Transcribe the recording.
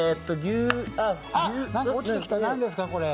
何か落ちてきた、何ですか、これ。